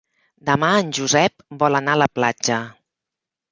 Demà en Josep vol anar a la platja.